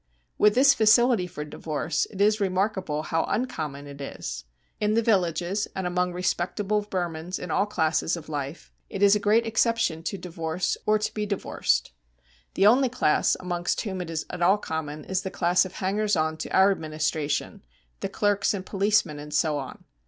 With this facility for divorce, it is remarkable how uncommon it is. In the villages and amongst respectable Burmans in all classes of life it is a great exception to divorce or to be divorced. The only class amongst whom it is at all common is the class of hangers on to our Administration, the clerks and policemen, and so on.